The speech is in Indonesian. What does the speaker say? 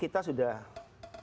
kita sudah menyambungkan